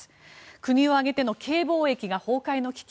国を挙げてのＫ防疫が崩壊の危機。